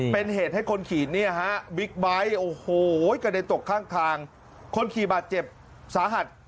เป็นเหตุให้คนขี่เนี่ยฮะบิ๊กไบท์โอ้โหกระเด็นตกข้างทางคนขี่บาดเจ็บสาหัส